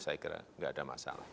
saya kira nggak ada masalah